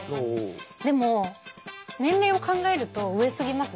でも年齢を考えると上すぎます